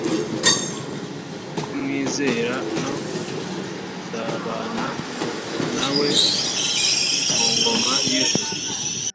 kumwizera no kuzabana na we mu ngoma y’ijuru